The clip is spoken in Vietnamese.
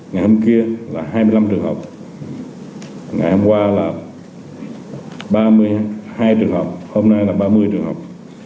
ngày hôm kia là hai mươi năm trường hợp ngày hôm qua là ba mươi hai trường hợp hôm nay là ba mươi trường học